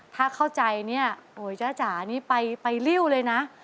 ถ้าเข้าใจเนี่ยโอ้ยจ้าจ๋านี่ไปริ้วเลยนะ